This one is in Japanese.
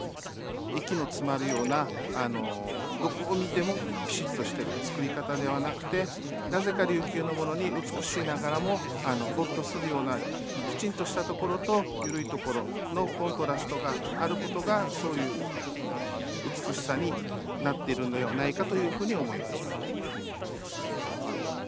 息の詰まるようなどこを見てもピシッとしてるつくり方ではなくてなぜか琉球のものに美しいながらもほっとするようなきちんとしたところと緩いところのコントラストがあることがそういう美しさになってるのではないかというふうに思います。